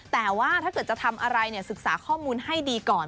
แต่ว่าถ้าเกิดจะทำอะไรศึกษาข้อมูลให้ดีก่อน